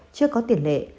chưa có tiền lệ